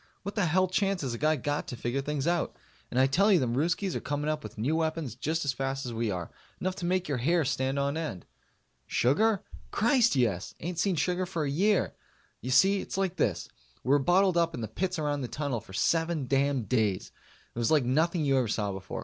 What the hell chance has a guy got to figure things out? And I tell you them Ruskies are coming up with new weapons just as fast as we are. Enough to make your hair stand on end. Sugar? Christ, yes! Ain't seen sugar for a year. You see, it's like this: we were bottled up in the pits around the Tunnel for seven damn days. It was like nothing you ever saw before.